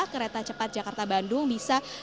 kereta cepat jakarta bandung bisa